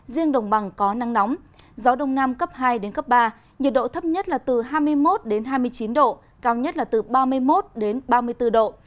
riêng đồng bằng có nắng nóng gió đông nam cấp hai đến cấp ba nhiệt độ thấp nhất là từ hai mươi một hai mươi chín độ cao nhất là từ ba mươi một ba mươi bốn độ